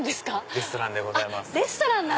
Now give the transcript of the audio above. レストランでございます。